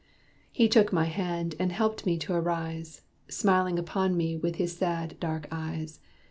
He took my hand, and helped me to arise, Smiling upon me with his sad dark eyes.